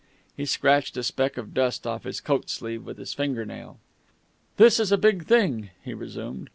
He scratched a speck of dust off his coat sleeve with his finger nail. "This is a big thing," he resumed.